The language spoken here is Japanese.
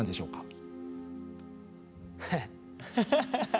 ハハッ。